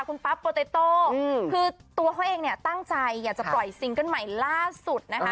คุณปั๊บโปเตโต้คือตัวเขาเองเนี่ยตั้งใจอยากจะปล่อยซิงเกิ้ลใหม่ล่าสุดนะคะ